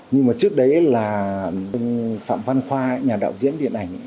nhưng mà trước đấy là phạm văn khoa nhà đạo diễn điện ảnh